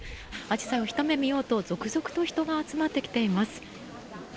アジサイをひと目見ようと続々と人が集まってきています。